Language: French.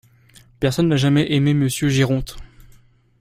Personne n’a jamais aimé monsieur Géronte.